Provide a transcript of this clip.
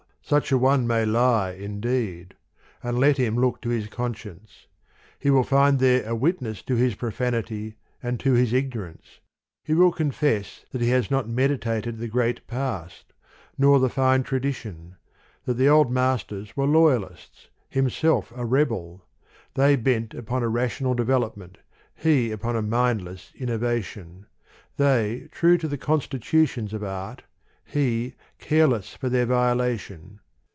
such an one may lie, indeed : and let him look to his conscience. He will find there a witness to his profanity and to his ignorance : he will confess, that he has not meditated the great past, nor the fine tra dition ; that the old masters were loyalists, himself a rebel ; they bent upon a rational development, he upon a mindless innova tion ; they true to the constitutions of art, he careless for their violation.